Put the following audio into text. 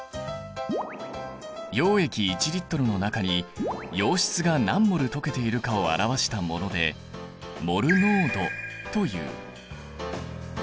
溶液１Ｌの中に溶質が何ｍｏｌ溶けているかを表したものでモル濃度という。